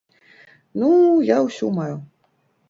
Ну, я ўсю маю.